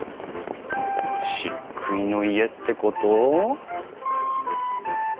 漆喰の家ってこと？